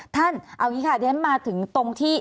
ท่านเอาอย่างนี้ค่ะมาถึงตรงที่